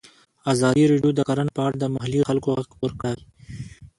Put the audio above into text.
ازادي راډیو د کرهنه په اړه د محلي خلکو غږ خپور کړی.